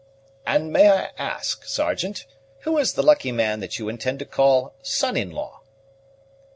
"And may I ask, Sergeant, who is the lucky man that you intend to call son in law?"